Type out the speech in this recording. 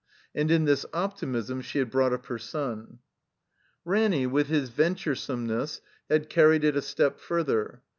And in this optimism she had brought up her son. Ranny, with his venturesomeness, had carried it a step further.